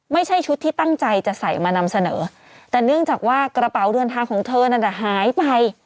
ไม่ใช่ชุดที่ตั้งใจจะใส่มานำเสนอแต่เนื่องจากว่ากระเป๋าเดินทางของเธอนั้นหายไป